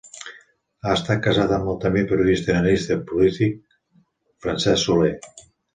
Ha estat casat amb el també periodista i analista polític Francesc Soler.